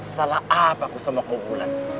salah apa aku sama kumpulan